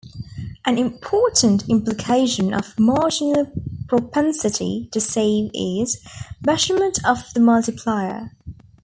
An important implication of marginal propensity to save is measurement of the multiplier.